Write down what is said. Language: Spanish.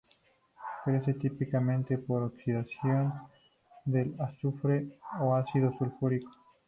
Crecen típicamente por oxidación del azufre a ácido sulfúrico.